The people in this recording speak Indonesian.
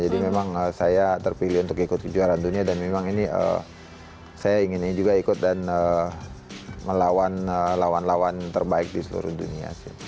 jadi memang saya terpilih untuk ikut kejuaraan dunia dan memang ini saya inginnya juga ikut dan melawan lawan lawan terbaik di seluruh dunia sih